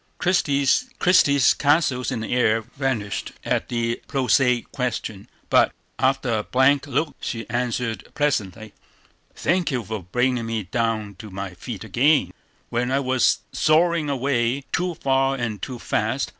Christie's castles in the air vanished at the prosaic question; but, after a blank look, she answered pleasantly: "Thank you for bringing me down to my feet again, when I was soaring away too far and too fast.